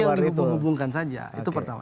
ya itu yang dihubungkan saja itu pertama